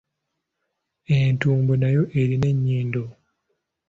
Entumbwe nayo erina ennyindo?